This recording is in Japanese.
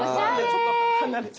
ちょっと離れて。